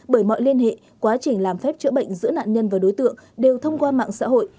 bởi mọi liên hệ quá trình làm phép chữa bệnh giữa nạn nhân và đối tượng đều thông qua mạng xã hội